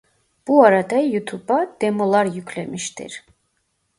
Bu arada Youtube'a demolar yüklemiştir.